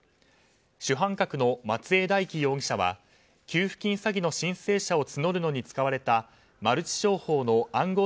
主犯格の松江大樹容疑者は給付金詐欺の申請者を募るのに使われたマルチ商法の暗号